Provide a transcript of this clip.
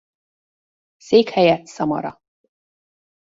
Székhelye Szamara.